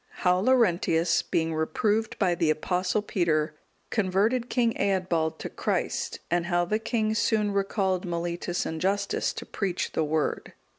How Laurentius, being reproved by the Apostle Peter, converted King Eadbald to Christ; and how the king soon recalled Mellitus and Justus to preach the Word.